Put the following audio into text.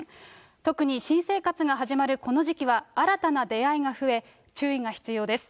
特に新生活が始まるこの時期は、新たな出会いが増え、注意が必要です。